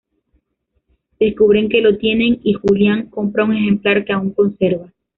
Descubren que lo tienen, y Julián compra un ejemplar que aún conserva.